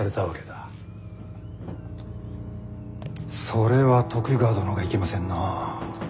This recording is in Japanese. それは徳川殿がいけませんなあ。